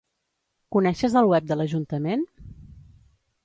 Coneixes el web de l'ajuntament?